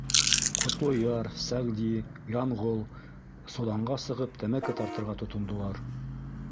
Ҡотлояр, Сәғди, Янғол соланға сығып тәмәке тартырға тотондолар.